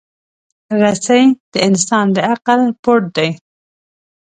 رسۍ د انسان د عقل پُت دی.